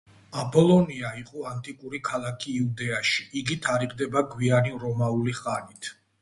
აპოლონია იყო ანტიკური ქალაქი იუდეაში, იგი თარიღდება გვიანი რომაული ხანით.